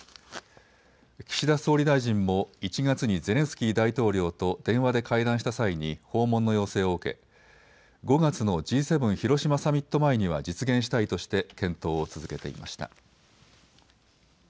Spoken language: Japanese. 岸田総理大臣も１月にゼレンスキー大統領と電話で会談した際に訪問の要請を受け５月のＧ７広島サミット前には実現したいとして検討を続けていました。